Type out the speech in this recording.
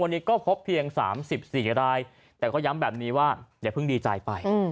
วันนี้ก็พบเพียง๓๔รายแต่ก็ย้ำแบบนี้ว่าอย่าเพิ่งดีใจไป